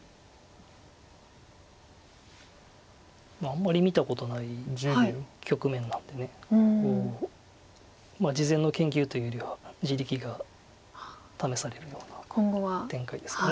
あんまり見たことない局面なんで事前の研究というよりは地力が試されるような展開ですか。